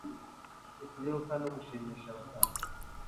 ikinyabupfura no gushimisha abafana